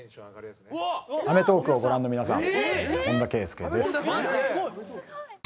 『アメトーーク』をご覧の皆さん本田圭佑です。